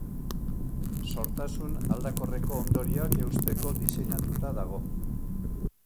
Sortasun aldakorreko ondorioak eusteko diseinatuta dago.